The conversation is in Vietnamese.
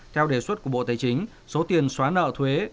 theo đề xuất của bộ tài chính số tiền xóa nợ thuế